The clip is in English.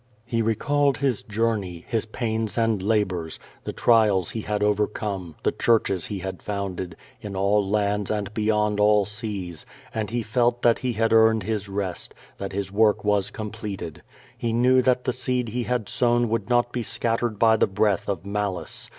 He recalled his journey, his pains and labors, the trials he had overcome^ the churches he had // 496 <i^0 VADI6. founded^ in all lands and bej^ond all seas, and he felt that he had earned his rest, that his work was completed. He knew that the seed he had sown would not be scattered by the breath of malice.